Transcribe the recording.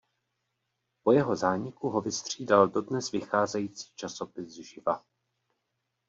Po jeho zániku ho vystřídal dodnes vycházející časopis Živa.